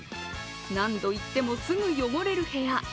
何度言ってもすぐ汚れる部屋。